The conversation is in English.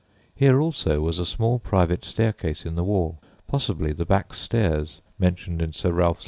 Here also was a small private staircase in the wall, possibly the "back stairs" mentioned in Sir Ralph's letters.